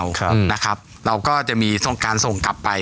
แล้วก็ถ้าเป็นอีกด้านหนึ่งก็คือชาวต่างชาติที่มาเสียชีวิตอยู่ที่บ้านเรา